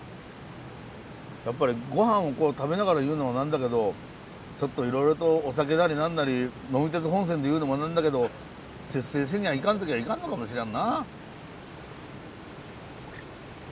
やっぱり御飯をこう食べながら言うのもなんだけどちょっといろいろとお酒なり何なり「呑み鉄本線」で言うのもなんだけど節制せにゃいかん時はいかんのかもしらんな。